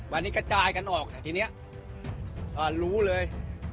วันนี้กระจายกันออกน่ะทีเนี้ยอ่ารู้เลย